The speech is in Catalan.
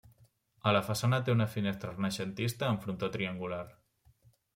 A la façana té una finestra renaixentista amb frontó triangular.